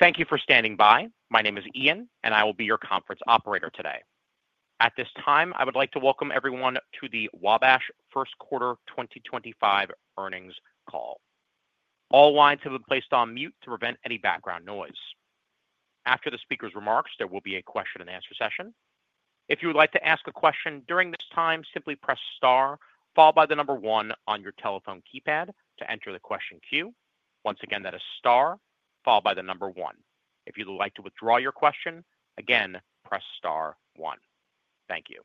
Thank you for standing by. My name is Ian, and I will be your conference operator today. At this time, I would like to welcome everyone to the Wabash First Quarter 2025 earnings call. All lines have been placed on mute to prevent any background noise. After the speaker's remarks, there will be a question-and-answer session. If you would like to ask a question during this time, simply press star, followed by the number one on your telephone keypad to enter the question queue. Once again, that is star, followed by the number one. If you'd like to withdraw your question, again, press star one. Thank you.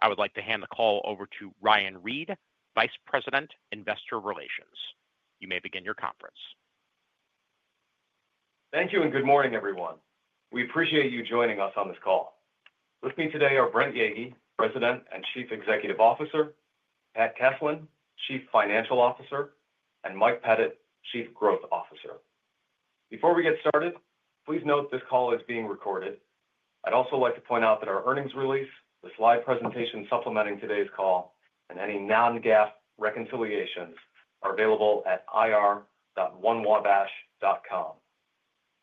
I would like to hand the call over to Ryan Reid, Vice President, Investor Relations. You may begin your conference. Thank you and good morning, everyone. We appreciate you joining us on this call. With me today are Brent Yeagy, President and Chief Executive Officer; Pat Keslin, Chief Financial Officer; and Mike Pettit, Chief Growth Officer. Before we get started, please note this call is being recorded. I'd also like to point out that our earnings release, the slide presentation supplementing today's call, and any non-GAAP reconciliations are available at ir.wabash.com.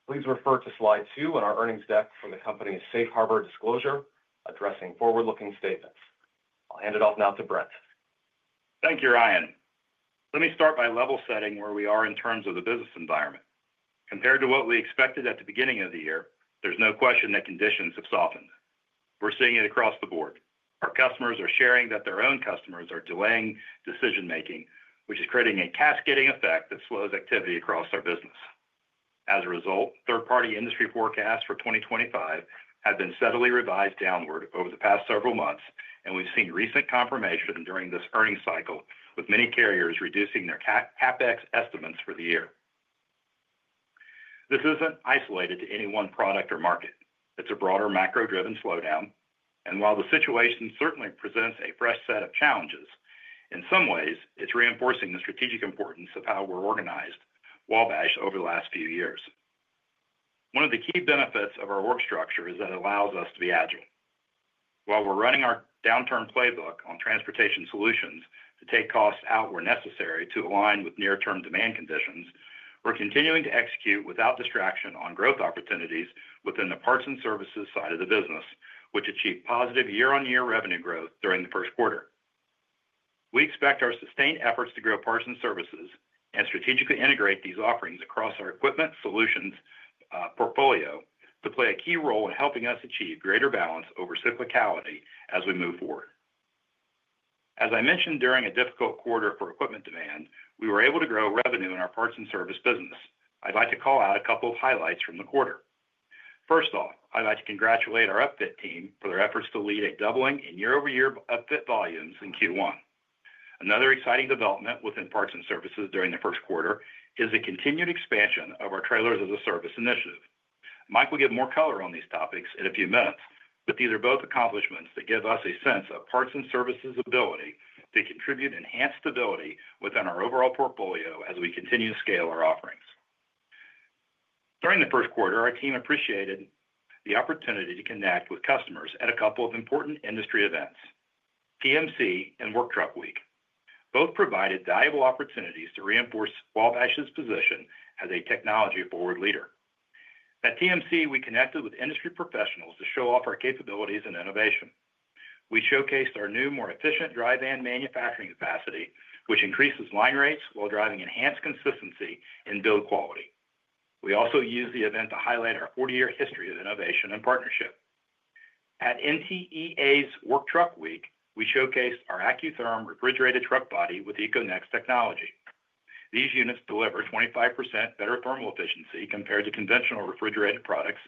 Please refer to slide two in our earnings deck from the company's safe harbor disclosure addressing forward-looking statements. I'll hand it off now to Brent. Thank you, Ryan. Let me start by level setting where we are in terms of the business environment. Compared to what we expected at the beginning of the year, there's no question that conditions have softened. We're seeing it across the board. Our customers are sharing that their own customers are delaying decision-making, which is creating a cascading effect that slows activity across our business. As a result, third-party industry forecasts for 2025 have been steadily revised downward over the past several months, and we've seen recent confirmation during this earnings cycle with many carriers reducing their CapEx estimates for the year. This isn't isolated to any one product or market. It's a broader macro-driven slowdown, and while the situation certainly presents a fresh set of challenges, in some ways, it's reinforcing the strategic importance of how we've organized Wabash over the last few years. One of the key benefits of our work structure is that it allows us to be agile. While we're running our downturn playbook on transportation solutions to take costs out where necessary to align with near-term demand conditions, we're continuing to execute without distraction on growth opportunities within the parts and services side of the business, which achieved positive year-on-year revenue growth during the first quarter. We expect our sustained efforts to grow parts and services and strategically integrate these offerings across our equipment solutions portfolio to play a key role in helping us achieve greater balance over cyclicality as we move forward. As I mentioned, during a difficult quarter for equipment demand, we were able to grow revenue in our parts and services business. I'd like to call out a couple of highlights from the quarter. First off, I'd like to congratulate our upfit team for their efforts to lead a doubling in year-over-year upfit volumes in Q1. Another exciting development within parts and services during the first quarter is the continued expansion of our Trailers as a Service initiative. Mike will give more color on these topics in a few minutes, but these are both accomplishments that give us a sense of parts and services' ability to contribute enhanced stability within our overall portfolio as we continue to scale our offerings. During the first quarter, our team appreciated the opportunity to connect with customers at a couple of important industry events: TMC and Work Truck Week. Both provided valuable opportunities to reinforce Wabash's position as a technology-forward leader. At TMC, we connected with industry professionals to show off our capabilities and innovation. We showcased our new, more efficient dry van manufacturing capacity, which increases line rates while driving enhanced consistency in build quality. We also used the event to highlight our 40-year history of innovation and partnership. At NTEA's Work Truck Week, we showcased our Acutherm refrigerated truck body with EcoNex technology. These units deliver 25% better thermal efficiency compared to conventional refrigerated products,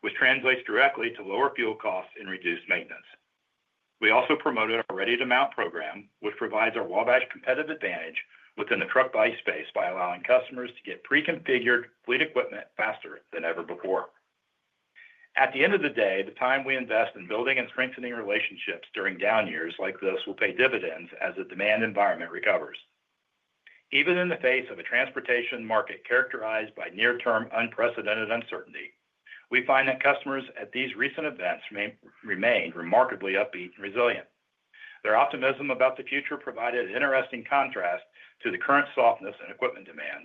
which translates directly to lower fuel costs and reduced maintenance. We also promoted our ready-to-mount program, which provides our Wabash competitive advantage within the truck body space by allowing customers to get pre-configured fleet equipment faster than ever before. At the end of the day, the time we invest in building and strengthening relationships during down years like this will pay dividends as the demand environment recovers. Even in the face of a transportation market characterized by near-term unprecedented uncertainty, we find that customers at these recent events remained remarkably upbeat and resilient. Their optimism about the future provided an interesting contrast to the current softness in equipment demand,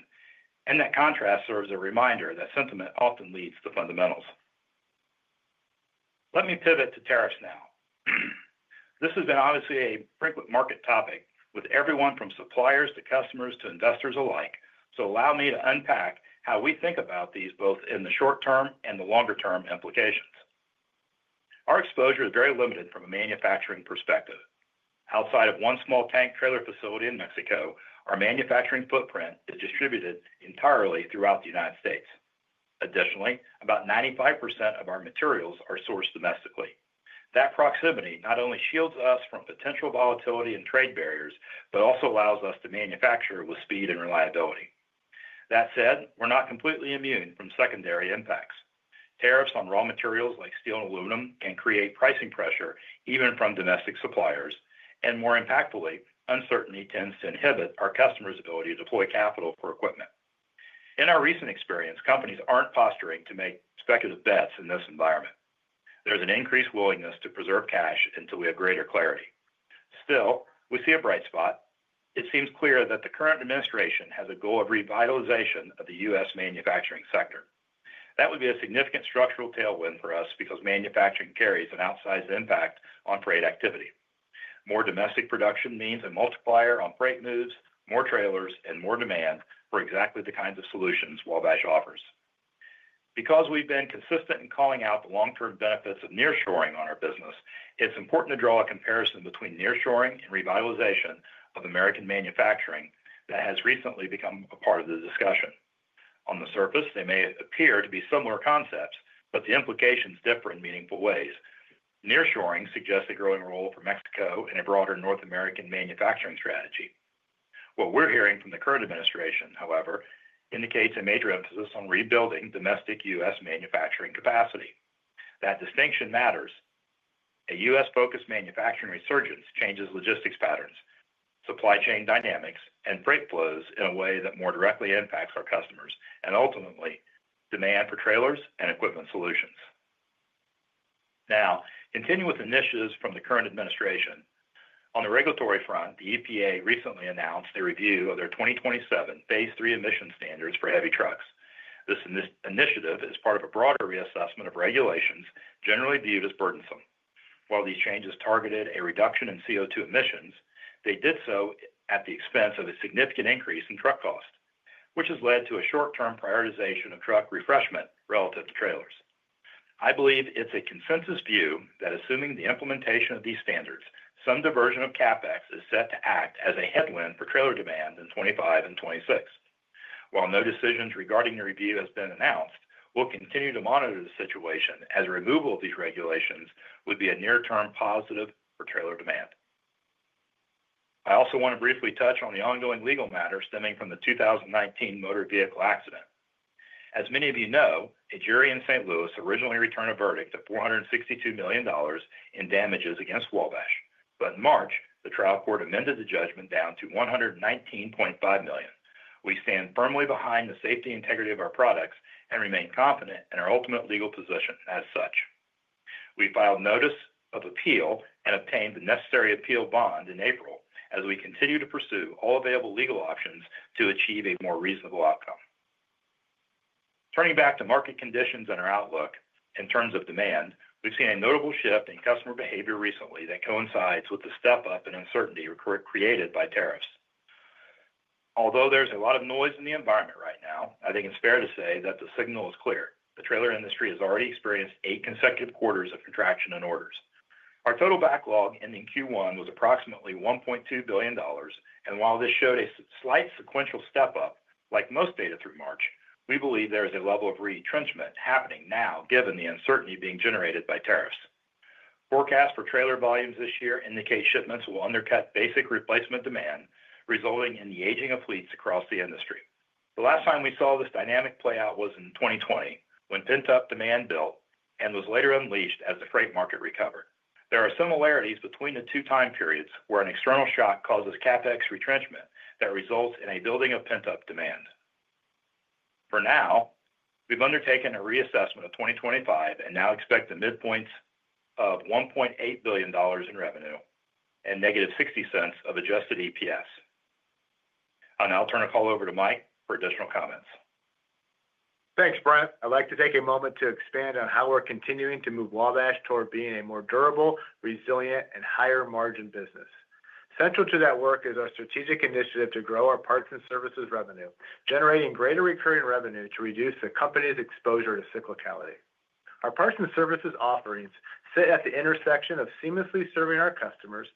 and that contrast serves as a reminder that sentiment often leads to fundamentals. Let me pivot to tariffs now. This has been obviously a frequent market topic with everyone from suppliers to customers to investors alike, so allow me to unpack how we think about these both in the short-term and the longer-term implications. Our exposure is very limited from a manufacturing perspective. Outside of one small tank trailer facility in Mexico, our manufacturing footprint is distributed entirely throughout the United States. Additionally, about 95% of our materials are sourced domestically. That proximity not only shields us from potential volatility and trade barriers, but also allows us to manufacture with speed and reliability. That said, we're not completely immune from secondary impacts. Tariffs on raw materials like steel and aluminum can create pricing pressure even from domestic suppliers, and more impactfully, uncertainty tends to inhibit our customers' ability to deploy capital for equipment. In our recent experience, companies aren't posturing to make speculative bets in this environment. There's an increased willingness to preserve cash until we have greater clarity. Still, we see a bright spot. It seems clear that the current administration has a goal of revitalization of the U.S. manufacturing sector. That would be a significant structural tailwind for us because manufacturing carries an outsized impact on freight activity. More domestic production means a multiplier on freight moves, more trailers, and more demand for exactly the kinds of solutions Wabash offers. Because we've been consistent in calling out the long-term benefits of nearshoring on our business, it's important to draw a comparison between nearshoring and revitalization of American manufacturing that has recently become a part of the discussion. On the surface, they may appear to be similar concepts, but the implications differ in meaningful ways. Nearshoring suggests a growing role for Mexico in a broader North American manufacturing strategy. What we're hearing from the current administration, however, indicates a major emphasis on rebuilding domestic U.S. manufacturing capacity. That distinction matters. A U.S.-focused manufacturing resurgence changes logistics patterns, supply chain dynamics, and freight flows in a way that more directly impacts our customers and ultimately demand for trailers and equipment solutions. Now, continuing with initiatives from the current administration, on the regulatory front, the EPA recently announced the review of their 2027 phase III emission standards for heavy trucks. This initiative is part of a broader reassessment of regulations generally viewed as burdensome. While these changes targeted a reduction in CO2 emissions, they did so at the expense of a significant increase in truck cost, which has led to a short-term prioritization of truck refreshment relative to trailers. I believe it's a consensus view that assuming the implementation of these standards, some diversion of CapEx is set to act as a headwind for trailer demand in 2025 and 2026. While no decisions regarding the review have been announced, we'll continue to monitor the situation as removal of these regulations would be a near-term positive for trailer demand. I also want to briefly touch on the ongoing legal matter stemming from the 2019 motor vehicle accident. As many of you know, a jury in St. Louis originally returned a verdict of $462 million in damages against Wabash, but in March, the trial court amended the judgment down to $119.5 million. We stand firmly behind the safety and integrity of our products and remain confident in our ultimate legal position as such. We filed notice of appeal and obtained the necessary appeal bond in April as we continue to pursue all available legal options to achieve a more reasonable outcome. Turning back to market conditions and our outlook in terms of demand, we've seen a notable shift in customer behavior recently that coincides with the step-up in uncertainty created by tariffs. Although there's a lot of noise in the environment right now, I think it's fair to say that the signal is clear. The trailer industry has already experienced eight consecutive quarters of contraction in orders. Our total backlog ending Q1 was approximately $1.2 billion, and while this showed a slight sequential step-up like most data through March, we believe there is a level of retrenchment happening now given the uncertainty being generated by tariffs. Forecasts for trailer volumes this year indicate shipments will undercut basic replacement demand, resulting in the aging of fleets across the industry. The last time we saw this dynamic play out was in 2020 when pent-up demand built and was later unleashed as the freight market recovered. There are similarities between the two time periods where an external shock causes CapEx retrenchment that results in a building of pent-up demand. For now, we've undertaken a reassessment of 2025 and now expect the midpoint of $1.8 billion in revenue and negative $0.60 of adjusted EPS. I'll now turn the call over to Mike for additional comments. Thanks, Brent. I'd like to take a moment to expand on how we're continuing to move Wabash toward being a more durable, resilient, and higher-margin business. Central to that work is our strategic initiative to grow our parts and services revenue, generating greater recurring revenue to reduce the company's exposure to cyclicality. Our parts and services offerings sit at the intersection of seamlessly serving our customers,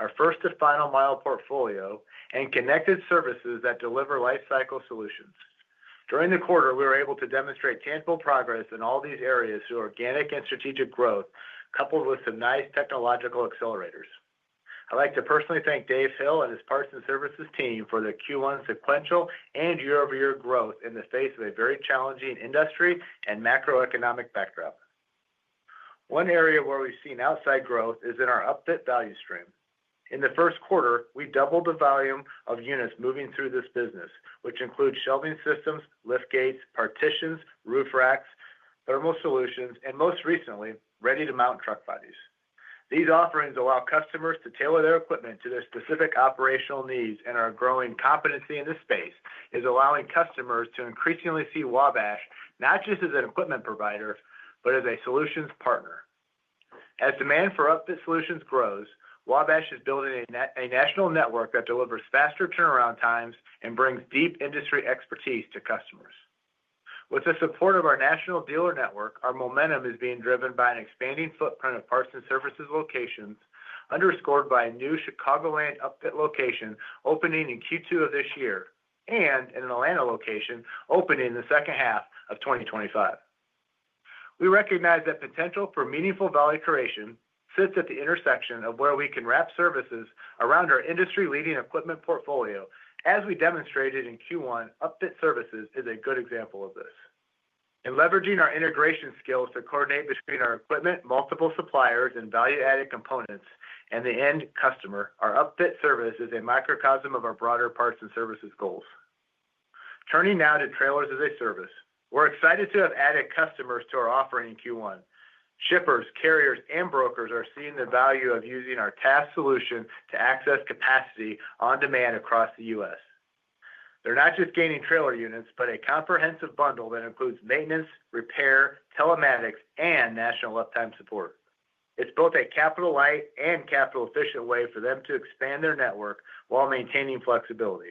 our first-to-final-mile portfolio, and connected services that deliver lifecycle solutions. During the quarter, we were able to demonstrate tangible progress in all these areas through organic and strategic growth coupled with some nice technological accelerators. I'd like to personally thank Dave Hill and his parts and services team for their Q1 sequential and year-over-year growth in the face of a very challenging industry and macroeconomic backdrop. One area where we've seen outside growth is in our upfit value stream. In the first quarter, we doubled the volume of units moving through this business, which includes shelving systems, liftgates, partitions, roof racks, thermal solutions, and most recently, ready-to-mount truck bodies. These offerings allow customers to tailor their equipment to their specific operational needs, and our growing competency in this space is allowing customers to increasingly see Wabash not just as an equipment provider, but as a solutions partner. As demand for upfit solutions grows, Wabash is building a national network that delivers faster turnaround times and brings deep industry expertise to customers. With the support of our national dealer network, our momentum is being driven by an expanding footprint of parts and services locations underscored by a new Chicagoland upfit location opening in Q2 of this year and an Atlanta location opening in the second half of 2025. We recognize that potential for meaningful value creation sits at the intersection of where we can wrap services around our industry-leading equipment portfolio, as we demonstrated in Q1 upfit services is a good example of this. In leveraging our integration skills to coordinate between our equipment, multiple suppliers, and value-added components and the end customer, our upfit service is a microcosm of our broader parts and services goals. Turning now to Trailers as a Service, we're excited to have added customers to our offering in Q1. Shippers, carriers, and brokers are seeing the value of using our TaaS solution to access capacity on demand across the U.S. They're not just gaining trailer units, but a comprehensive bundle that includes maintenance, repair, telematics, and national uptime support. It's both a capital-light and capital-efficient way for them to expand their network while maintaining flexibility.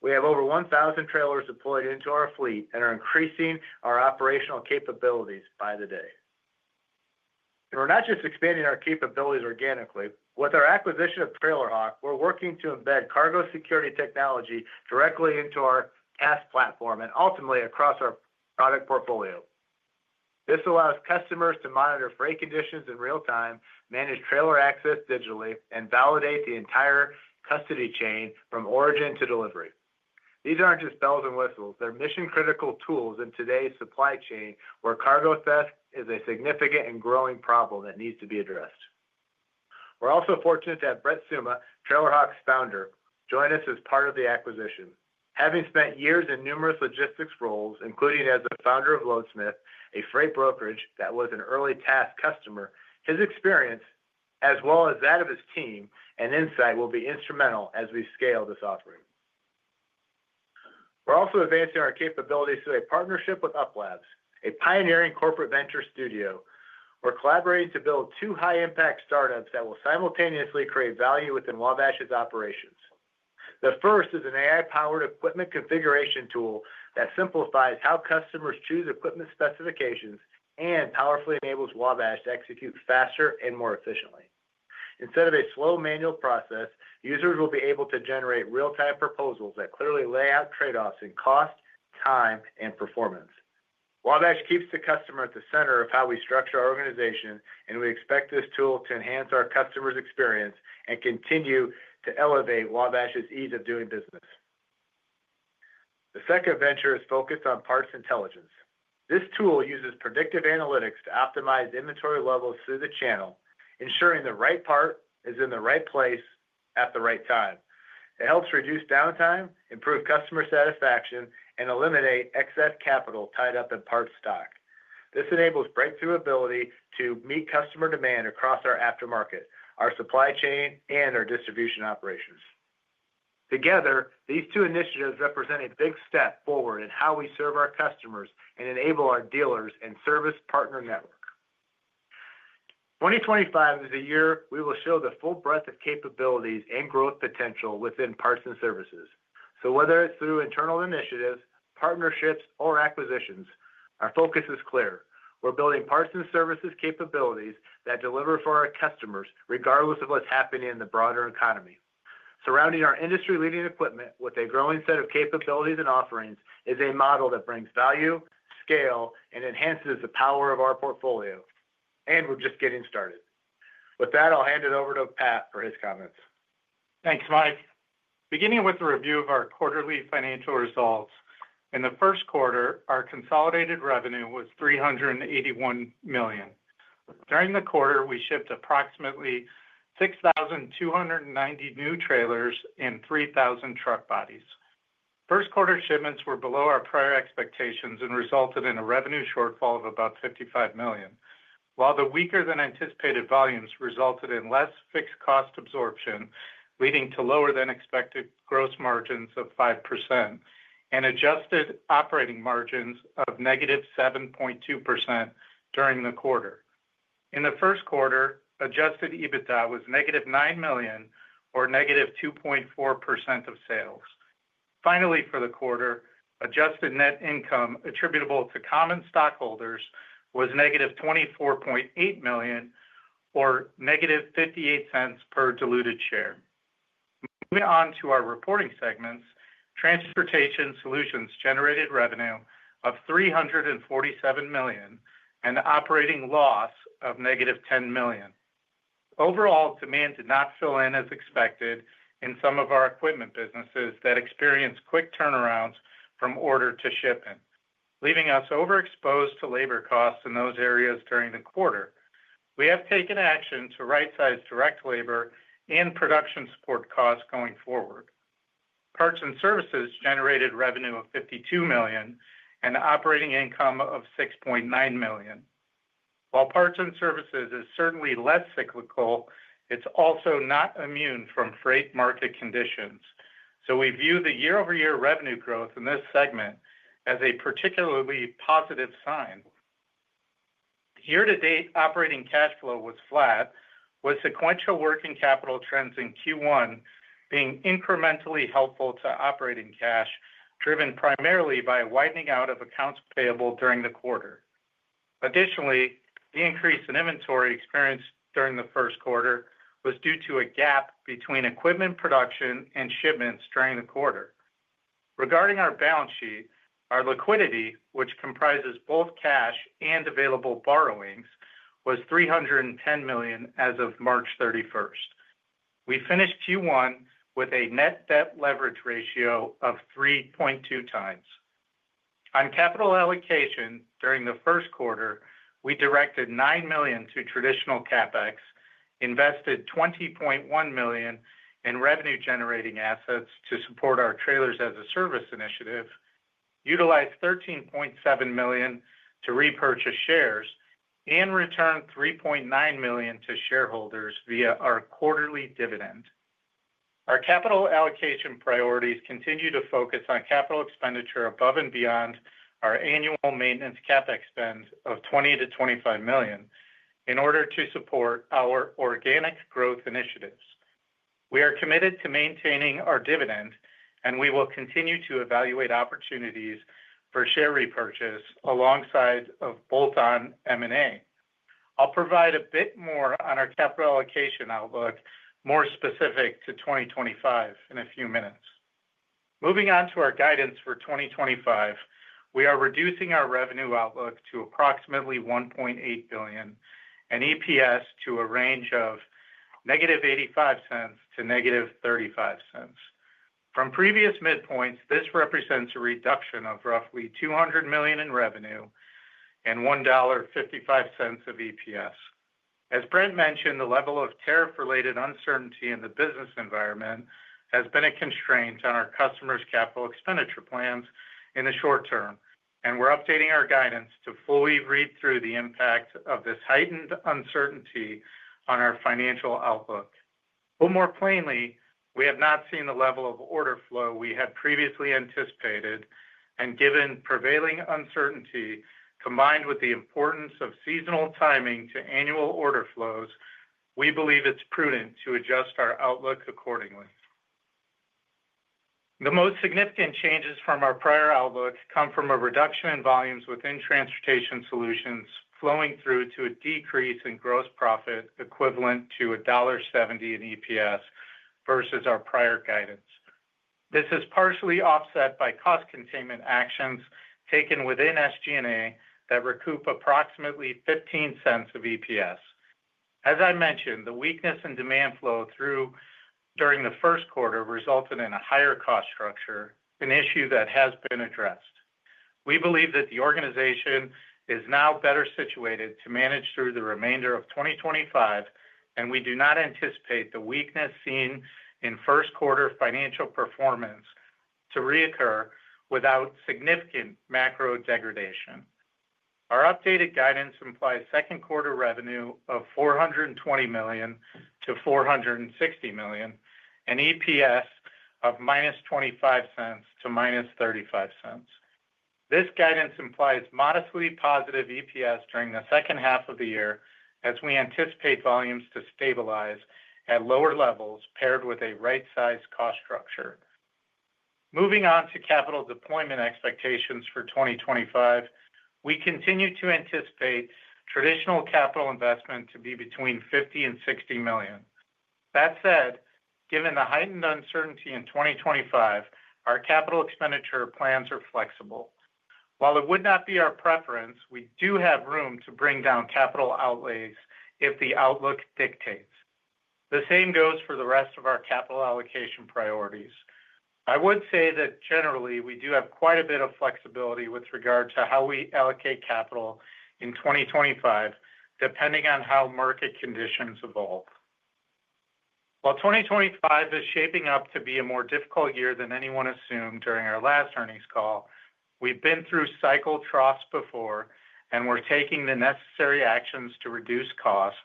We have over 1,000 trailers deployed into our fleet and are increasing our operational capabilities by the day. We are not just expanding our capabilities organically. With our acquisition of TrailerHawk, we are working to embed cargo security technology directly into our TaaS platform and ultimately across our product portfolio. This allows customers to monitor freight conditions in real time, manage trailer access digitally, and validate the entire custody chain from origin to delivery. These are not just bells and whistles. They are mission-critical tools in today's supply chain where cargo theft is a significant and growing problem that needs to be addressed. We are also fortunate to have Brett Suma, TrailerHawk's founder, join us as part of the acquisition. Having spent years in numerous logistics roles, including as the founder of Loadsmith, a freight brokerage that was an early TaaS customer, his experience, as well as that of his team and insight, will be instrumental as we scale this offering. We're also advancing our capabilities through a partnership with Up.Labs, a pioneering corporate venture studio. We're collaborating to build two high-impact startups that will simultaneously create value within Wabash's operations. The first is an AI-powered equipment configuration tool that simplifies how customers choose equipment specifications and powerfully enables Wabash to execute faster and more efficiently. Instead of a slow manual process, users will be able to generate real-time proposals that clearly lay out trade-offs in cost, time, and performance. Wabash keeps the customer at the center of how we structure our organization, and we expect this tool to enhance our customers' experience and continue to elevate Wabash's ease of doing business. The second venture is focused on parts intelligence. This tool uses predictive analytics to optimize inventory levels through the channel, ensuring the right part is in the right place at the right time. It helps reduce downtime, improve customer satisfaction, and eliminate excess capital tied up in parts stock. This enables breakthrough ability to meet customer demand across our aftermarket, our supply chain, and our distribution operations. Together, these two initiatives represent a big step forward in how we serve our customers and enable our dealers and service partner network. 2025 is a year we will show the full breadth of capabilities and growth potential within parts and services. Whether it's through internal initiatives, partnerships, or acquisitions, our focus is clear. We're building parts and services capabilities that deliver for our customers regardless of what's happening in the broader economy. Surrounding our industry-leading equipment with a growing set of capabilities and offerings is a model that brings value, scale, and enhances the power of our portfolio. We're just getting started. With that, I'll hand it over to Pat for his comments. Thanks, Mike. Beginning with the review of our quarterly financial results, in the first quarter, our consolidated revenue was $381 million. During the quarter, we shipped approximately 6,290 new trailers and 3,000 truck bodies. First-quarter shipments were below our prior expectations and resulted in a revenue shortfall of about $55 million, while the weaker-than-anticipated volumes resulted in less fixed cost absorption, leading to lower-than-expected gross margins of 5% and adjusted operating margins of -7.2% during the quarter. In the first quarter, adjusted EBITDA was $-9 million or -2.4% of sales. Finally, for the quarter, adjusted net income attributable to common stockholders was $-24.8 million or $-0.58 per diluted share. Moving on to our reporting segments, transportation solutions generated revenue of $347 million and operating loss of $-10 million. Overall, demand did not fill in as expected in some of our equipment businesses that experienced quick turnarounds from order to shipment, leaving us overexposed to labor costs in those areas during the quarter. We have taken action to right-size direct labor and production support costs going forward. Parts and services generated revenue of $52 million and operating income of $6.9 million. While parts and services is certainly less cyclical, it's also not immune from freight market conditions. We view the year-over-year revenue growth in this segment as a particularly positive sign. Year-to-date operating cash flow was flat, with sequential working capital trends in Q1 being incrementally helpful to operating cash, driven primarily by widening out of accounts payable during the quarter. Additionally, the increase in inventory experienced during the first quarter was due to a gap between equipment production and shipments during the quarter. Regarding our balance sheet, our liquidity, which comprises both cash and available borrowings, was $310 million as of March 31. We finished Q1 with a net debt leverage ratio of 3.2 times. On capital allocation during the first quarter, we directed $9 million to traditional CapEx, invested $20.1 million in revenue-generating assets to support our trailers-as-a-service initiative, utilized $13.7 million to repurchase shares, and returned $3.9 million to shareholders via our quarterly dividend. Our capital allocation priorities continue to focus on capital expenditure above and beyond our annual maintenance CapEx spend of $20million-$25 million in order to support our organic growth initiatives. We are committed to maintaining our dividend, and we will continue to evaluate opportunities for share repurchase alongside of bolt-on M&A. I'll provide a bit more on our capital allocation outlook more specific to 2025 in a few minutes. Moving on to our guidance for 2025, we are reducing our revenue outlook to approximately $1.8 billion and EPS to a range of $-0.85 - $-0.35. From previous midpoints, this represents a reduction of roughly $200 million in revenue and $1.55 of EPS. As Brent mentioned, the level of tariff-related uncertainty in the business environment has been a constraint on our customers' capital expenditure plans in the short term, and we're updating our guidance to fully read through the impact of this heightened uncertainty on our financial outlook. More plainly, we have not seen the level of order flow we had previously anticipated, and given prevailing uncertainty combined with the importance of seasonal timing to annual order flows, we believe it's prudent to adjust our outlook accordingly. The most significant changes from our prior outlook come from a reduction in volumes within transportation solutions flowing through to a decrease in gross profit equivalent to $1.70 in EPS versus our prior guidance. This is partially offset by cost containment actions taken within SG&A that recoup approximately $0.15 of EPS. As I mentioned, the weakness in demand flow during the first quarter resulted in a higher cost structure, an issue that has been addressed. We believe that the organization is now better situated to manage through the remainder of 2025, and we do not anticipate the weakness seen in first-quarter financial performance to reoccur without significant macro degradation. Our updated guidance implies second-quarter revenue of $420 million-$460 million and EPS of $-0.25 - $-0.35. This guidance implies modestly positive EPS during the second half of the year as we anticipate volumes to stabilize at lower levels paired with a right-sized cost structure. Moving on to capital deployment expectations for 2025, we continue to anticipate traditional capital investment to be between $50 million and $60 million. That said, given the heightened uncertainty in 2025, our capital expenditure plans are flexible. While it would not be our preference, we do have room to bring down capital outlays if the outlook dictates. The same goes for the rest of our capital allocation priorities. I would say that generally we do have quite a bit of flexibility with regard to how we allocate capital in 2025, depending on how market conditions evolve. While 2025 is shaping up to be a more difficult year than anyone assumed during our last earnings call, we've been through cycle troughs before, and we're taking the necessary actions to reduce costs,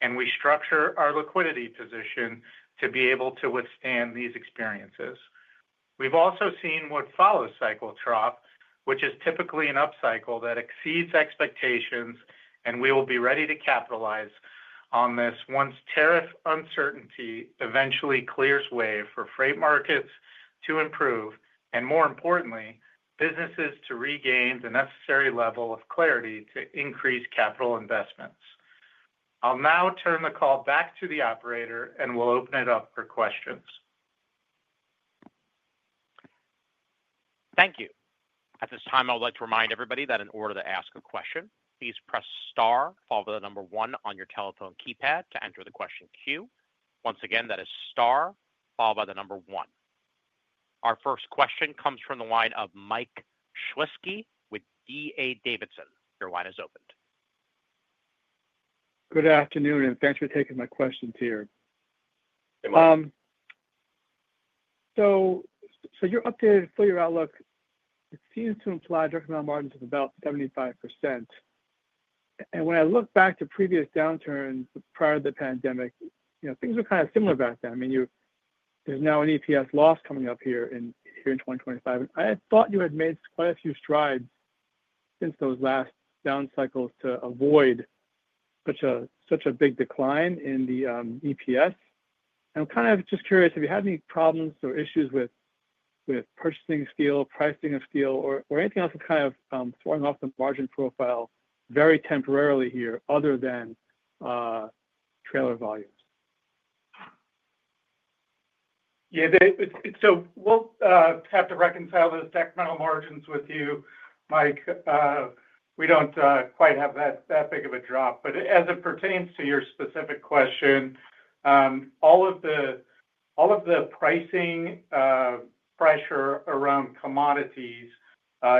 and we structure our liquidity position to be able to withstand these experiences. We've also seen what follows cycle trough, which is typically an upcycle that exceeds expectations, and we will be ready to capitalize on this once tariff uncertainty eventually clears way for freight markets to improve and, more importantly, businesses to regain the necessary level of clarity to increase capital investments. I'll now turn the call back to the operator, and we'll open it up for questions. Thank you. At this time, I would like to remind everybody that in order to ask a question, please press star, followed by the number one on your telephone keypad to enter the question queue. Once again, that is Star, followed by the number one. Our first question comes from the line of Mike Shlisky with D.A. Davidson. Your line is opened. Good afternoon, and thanks for taking my questions here. Hey, Mike. Your updated four-year outlook seems to imply direct demand margins of about 75%. I mean, when I look back to previous downturns prior to the pandemic, things were kind of similar back then. I mean, there's now an EPS loss coming up here in 2025. I thought you had made quite a few strides since those last down cycles to avoid such a big decline in the EPS. I'm kind of just curious, have you had any problems or issues with purchasing steel, pricing of steel, or anything else that's kind of throwing off the margin profile very temporarily here other than trailer volumes? Yeah. We'll have to reconcile those decremental margins with you, Mike. We do not quite have that big of a drop. As it pertains to your specific question, all of the pricing pressure around commodities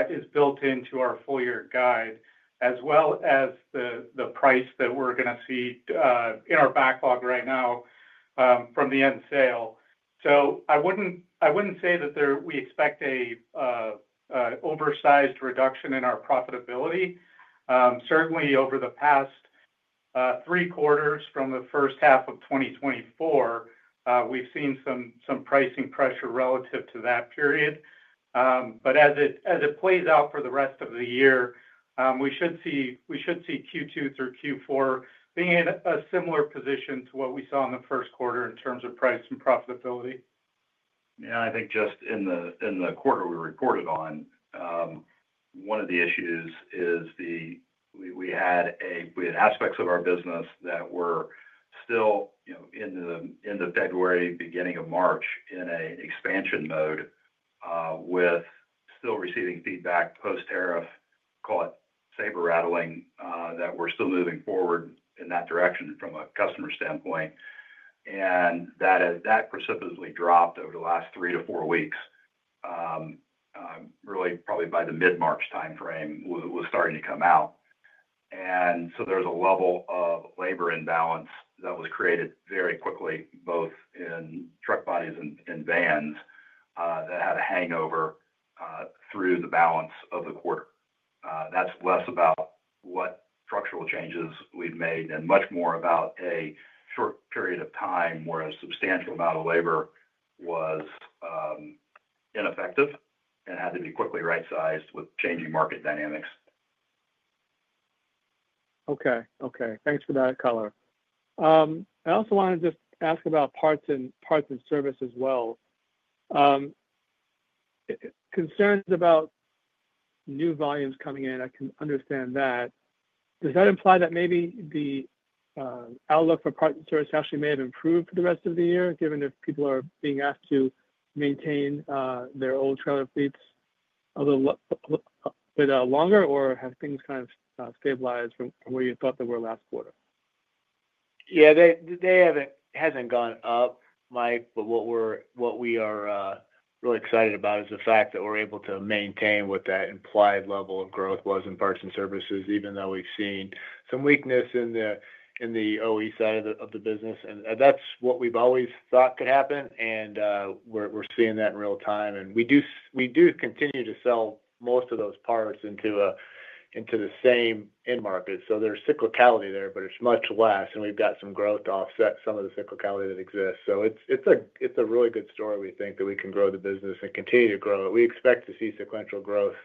is built into our full-year guide, as well as the price that we are going to see in our backlog right now from the end sale. I would not say that we expect an oversized reduction in our profitability. Certainly, over the past three quarters from the first half of 2024, we have seen some pricing pressure relative to that period. As it plays out for the rest of the year, we should see Q2 through Q4 being in a similar position to what we saw in the first quarter in terms of price and profitability. Yeah. I think just in the quarter we reported on, one of the issues is we had aspects of our business that were still in the February, beginning of March in an expansion mode with still receiving feedback post-tariff, call it saber rattling, that we're still moving forward in that direction from a customer standpoint. That precipitously dropped over the last three to four weeks, really probably by the mid-March timeframe was starting to come out. There is a level of labor imbalance that was created very quickly, both in truck bodies and vans, that had a hangover through the balance of the quarter. That is less about what structural changes we've made and much more about a short period of time where a substantial amount of labor was ineffective and had to be quickly right-sized with changing market dynamics. Okay. Okay. Thanks for that, color. I also want to just ask about parts and parts and service as well. Concerns about new volumes coming in, I can understand that. Does that imply that maybe the outlook for parts and service actually may have improved for the rest of the year, given if people are being asked to maintain their old trailer fleets a little bit longer, or have things kind of stabilized from where you thought they were last quarter? Yeah. They haven't gone up, Mike, but what we are really excited about is the fact that we're able to maintain what that implied level of growth was in parts and services, even though we've seen some weakness in the OE side of the business. That is what we've always thought could happen, and we're seeing that in real time. We do continue to sell most of those parts into the same end market. There is cyclicality there, but it's much less, and we've got some growth to offset some of the cyclicality that exists. It is a really good story, we think, that we can grow the business and continue to grow it. We expect to see sequential growth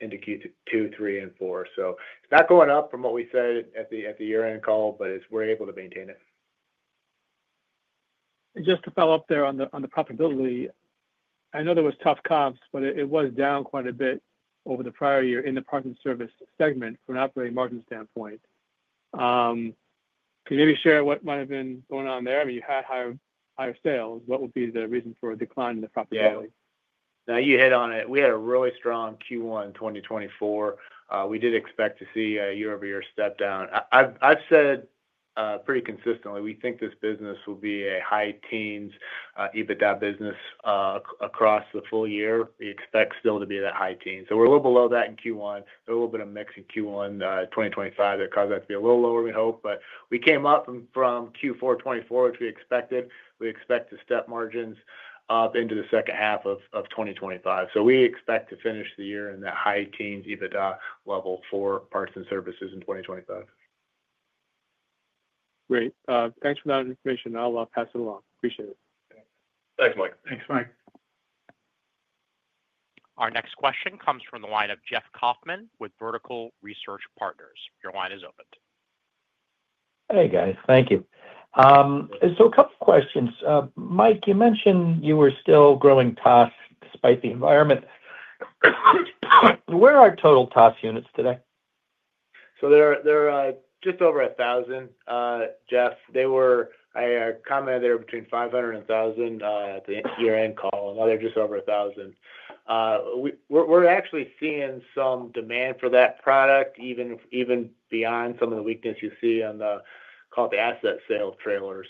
into Q2, Q3, and Q4. It is not going up from what we said at the year-end call, but we're able to maintain it. Just to follow up there on the profitability, I know there were tough comps, but it was down quite a bit over the prior year in the parts and service segment from an operating margin standpoint. Can you maybe share what might have been going on there? I mean, you had higher sales. What would be the reason for a decline in the profitability? Yeah. Now, you hit on it. We had a really strong Q1 2024. We did expect to see a year-over-year step down. I've said pretty consistently, we think this business will be a high teens EBITDA business across the full year. We expect still to be that high teens. We're a little below that in Q1. There's a little bit of mix in Q1 2025 that caused that to be a little lower than we hoped. We came up from Q4 2024, which we expected. We expect to step margins up into the second half of 2025. We expect to finish the year in that high teens EBITDA level for parts and services in 2025. Great. Thanks for that information. I'll pass it along. Appreciate it. Thanks, Mike. Thanks, Mike. Our next question comes from the line of Jeff Kauffman with Vertical Research Partners. Your line is opened. Hey, guys. Thank you. A couple of questions. Mike, you mentioned you were still growing costs despite the environment. Where are total cost units today? They're just over 1,000, Jeff. I commented they were between 500 and 1,000 at the year-end call. Now they're just over 1,000. We're actually seeing some demand for that product even beyond some of the weakness you see on the, call it the asset sale trailer.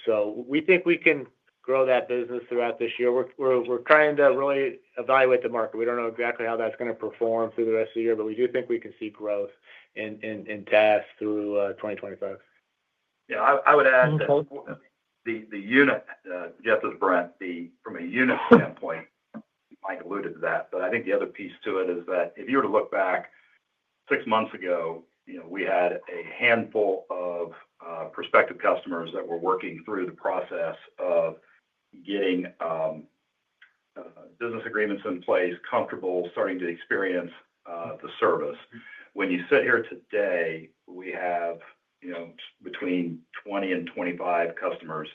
We think we can grow that business throughout this year. We're trying to really evaluate the market. We don't know exactly how that's going to perform through the rest of the year, but we do think we can see growth in TaaS through 2025. Yeah. I would add that the unit, Jeff, as Brent, from a unit standpoint, Mike alluded to that. I think the other piece to it is that if you were to look back six months ago, we had a handful of prospective customers that were working through the process of getting business agreements in place, comfortable starting to experience the service. When you sit here today, we have between 20 and 25 customers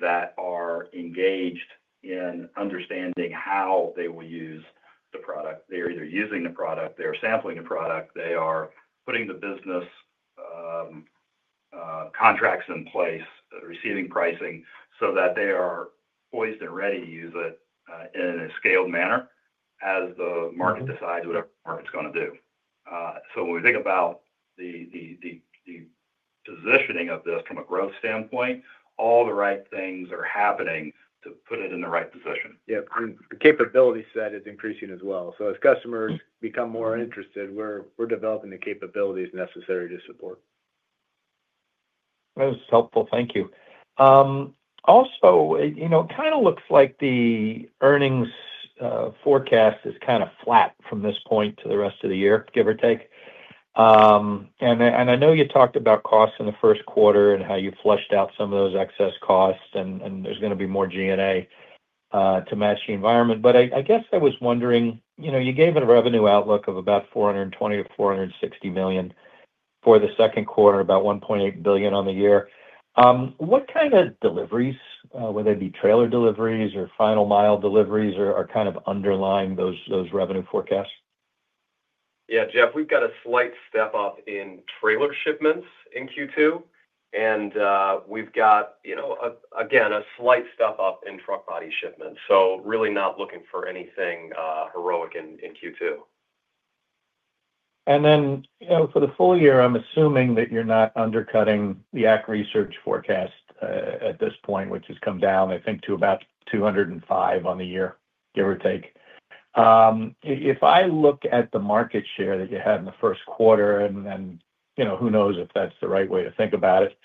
that are engaged in understanding how they will use the product. They're either using the product, they're sampling the product, they are putting the business contracts in place, receiving pricing so that they are poised and ready to use it in a scaled manner as the market decides whatever the market's going to do. When we think about the positioning of this from a growth standpoint, all the right things are happening to put it in the right position. Yeah. The capability set is increasing as well. As customers become more interested, we're developing the capabilities necessary to support. That is helpful. Thank you. Also, it kind of looks like the earnings forecast is kind of flat from this point to the rest of the year, give or take. I know you talked about costs in the first quarter and how you flushed out some of those excess costs, and there's going to be more G&A to match the environment. I guess I was wondering, you gave a revenue outlook of about $420 million-$460 million for the second quarter, about $1.8 billion on the year. What kind of deliveries, whether they be trailer deliveries or final mile deliveries, are kind of underlying those revenue forecasts? Yeah, Jeff, we've got a slight step up in trailer shipments in Q2. We've got, again, a slight step up in truck body shipments. Really not looking for anything heroic in Q2. For the full year, I'm assuming that you're not undercutting the ACT Research forecast at this point, which has come down, I think, to about 205 on the year, give or take. If I look at the market share that you had in the first quarter, and who knows if that's the right way to think about it,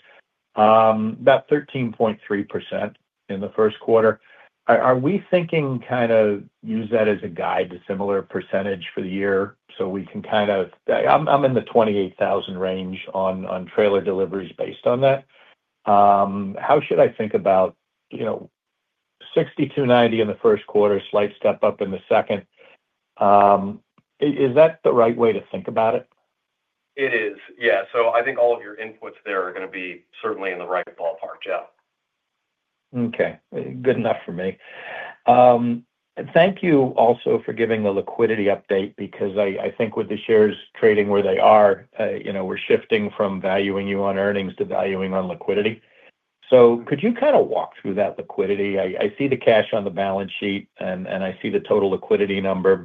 about 13.3% in the first quarter. Are we thinking kind of use that as a guide to similar percentage for the year so we can kind of, I'm in the 28,000 range on trailer deliveries based on that. How should I think about 6,290 in the first quarter, slight step up in the second? Is that the right way to think about it? It is. Yeah. I think all of your inputs there are going to be certainly in the right ballpark, Jeff. Okay. Good enough for me. Thank you also for giving the liquidity update because I think with the shares trading where they are, we're shifting from valuing you on earnings to valuing on liquidity. Could you kind of walk through that liquidity? I see the cash on the balance sheet, and I see the total liquidity number.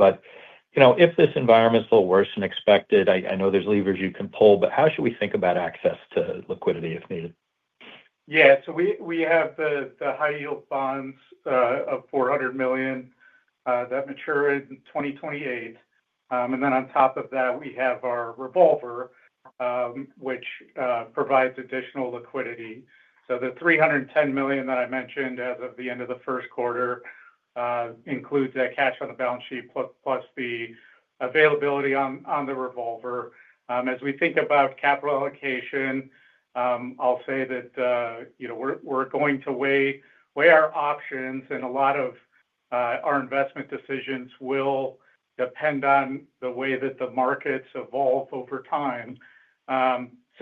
If this environment's a little worse than expected, I know there's levers you can pull, but how should we think about access to liquidity if needed? Yeah. We have the high-yield bonds of $400 million that mature in 2028. On top of that, we have our revolver, which provides additional liquidity. The $310 million that I mentioned as of the end of the first quarter includes that cash on the balance sheet plus the availability on the revolver. As we think about capital allocation, I'll say that we're going to weigh our options, and a lot of our investment decisions will depend on the way that the markets evolve over time.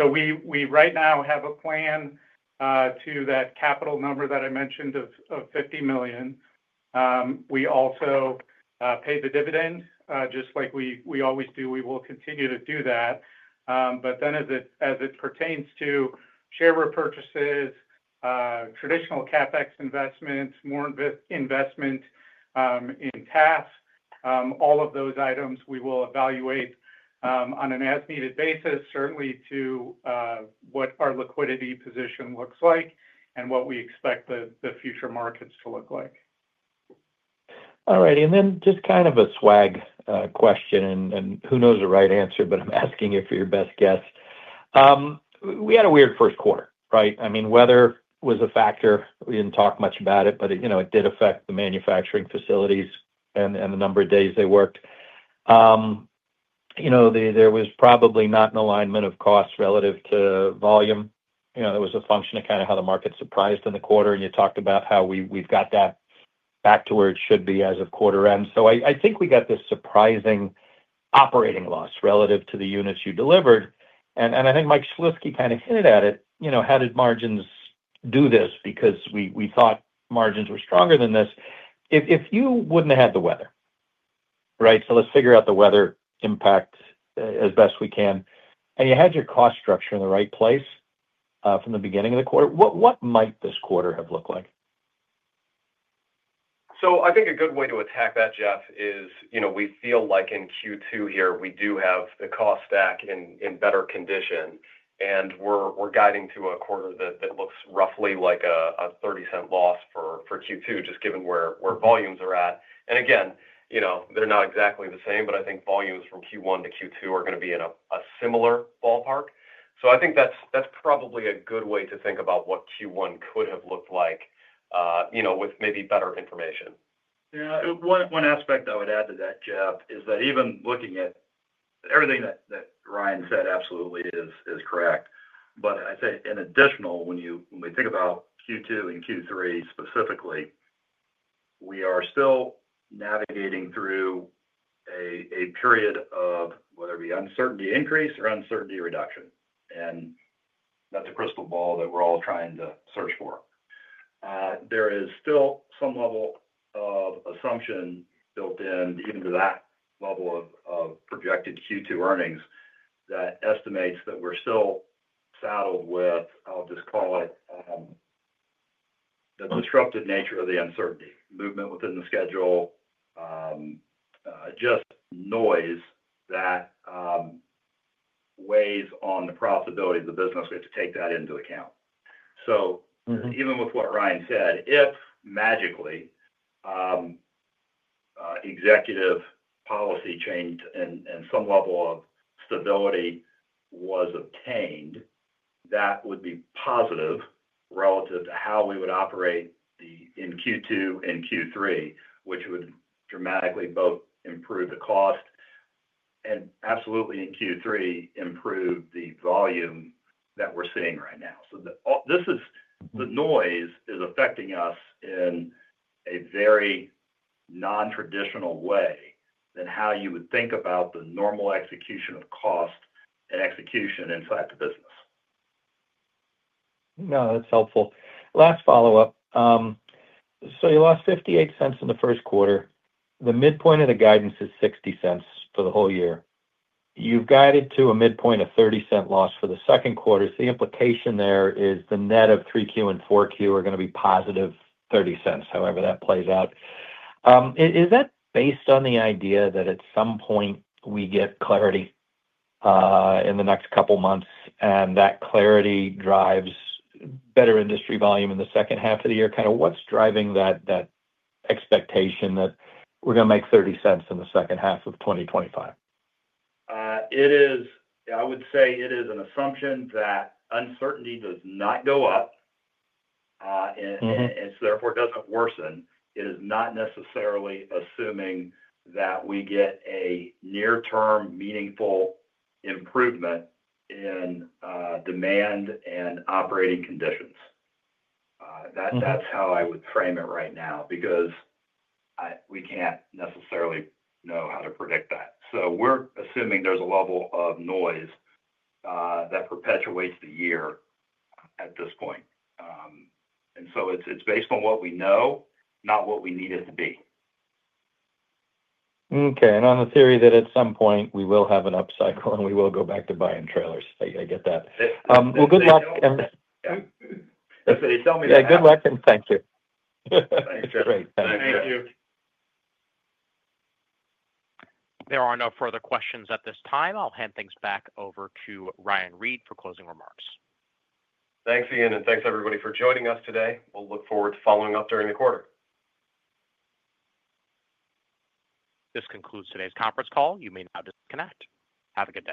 We right now have a plan to that capital number that I mentioned of $50 million. We also pay the dividend just like we always do. We will continue to do that. As it pertains to share repurchases, traditional CapEx investments, more investment in TaaS, all of those items we will evaluate on an as-needed basis, certainly to what our liquidity position looks like and what we expect the future markets to look like. All righty. Just kind of a swag question, and who knows the right answer, but I'm asking you for your best guess. We had a weird first quarter, right? I mean, weather was a factor. We did not talk much about it, but it did affect the manufacturing facilities and the number of days they worked. There was probably not an alignment of costs relative to volume. There was a function of kind of how the market surprised in the quarter, and you talked about how we have got that back to where it should be as of quarter end. I think we got this surprising operating loss relative to the units you delivered. I think Mike Shlisky kind of hinted at it. How did margins do this? Because we thought margins were stronger than this. If you would not have had the weather, right? Let's figure out the weather impact as best we can. You had your cost structure in the right place from the beginning of the quarter. What might this quarter have looked like? I think a good way to attack that, Jeff, is we feel like in Q2 here, we do have the cost stack in better condition, and we're guiding to a quarter that looks roughly like a $0.30 loss for Q2, just given where volumes are at. Again, they're not exactly the same, but I think volumes from Q1 to Q2 are going to be in a similar ballpark. I think that's probably a good way to think about what Q1 could have looked like with maybe better information. Yeah. One aspect I would add to that, Jeff, is that even looking at everything that Ryan said absolutely is correct. I would say in addition, when we think about Q2 and Q3 specifically, we are still navigating through a period of whether it be uncertainty increase or uncertainty reduction. That is a crystal ball that we are all trying to search for. There is still some level of assumption built in even to that level of projected Q2 earnings that estimates that we are still saddled with, I will just call it, the disruptive nature of the uncertainty movement within the schedule, just noise that weighs on the profitability of the business. We have to take that into account. Even with what Ryan said, if magically executive policy change and some level of stability was obtained, that would be positive relative to how we would operate in Q2 and Q3, which would dramatically both improve the cost and absolutely in Q3 improve the volume that we're seeing right now. The noise is affecting us in a very non-traditional way than how you would think about the normal execution of cost and execution inside the business. No, that's helpful. Last follow-up. You lost $0.58 in the first quarter. The midpoint of the guidance is $0.60 for the whole year. You've guided to a midpoint of $0.30 loss for the second quarter. The implication there is the net of 3Q and 4Q are going to be positive $0.30, however that plays out. Is that based on the idea that at some point we get clarity in the next couple of months and that clarity drives better industry volume in the second half of the year? Kind of what's driving that expectation that we're going to make $0.30 in the second half of 2025? It is, I would say it is an assumption that uncertainty does not go up and therefore does not worsen. It is not necessarily assuming that we get a near-term meaningful improvement in demand and operating conditions. That is how I would frame it right now because we cannot necessarily know how to predict that. We are assuming there is a level of noise that perpetuates the year at this point. It is based on what we know, not what we need it to be. Okay. On the theory that at some point we will have an upcycle and we will go back to buying trailers. I get that. Good luck. Yep. Tell me that. Yeah. Good luck and thank you. Thanks, Jeff. Great. Thank you. Thank you. There are no further questions at this time. I'll hand things back over to Ryan Reid for closing remarks. Thanks, Ian. Thanks, everybody, for joining us today. We'll look forward to following up during the quarter. This concludes today's conference call. You may now disconnect. Have a good day.